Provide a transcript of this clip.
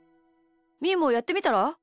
みーもやってみたら？